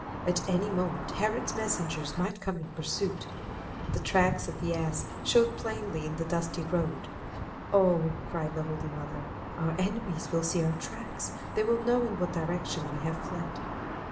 At any moment Herod's messengers might come in pursuit. The tracks of the ass showed plainly in the dusty road. "Oh!" cried the Holy Mother, "Our enemies will see our tracks! They will know in what direction we have fled!"